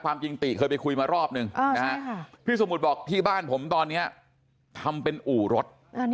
ความจริงติเคยไปคุยมารอบนึงพี่สมุทรบอกที่บ้านผมตอนนี้ทำเป็นอู่รถ